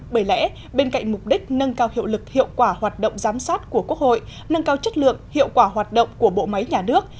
bởi lẽ bên cạnh mục đích nâng cao hiệu lực hiệu quả hoạt động giám sát của quốc hội nâng cao chất lượng hiệu quả hoạt động của bộ máy nhà nước